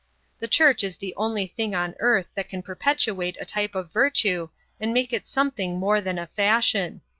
The Church is the only thing on earth that can perpetuate a type of virtue and make it something more than a fashion.